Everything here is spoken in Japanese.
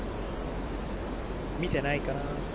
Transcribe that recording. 見てないかな？